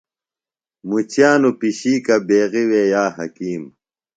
مُچِیانوۡ پِشیکہ بیغیۡ وے یا حکیم۔